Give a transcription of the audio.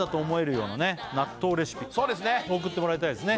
皆さんもそうですね送ってもらいたいですね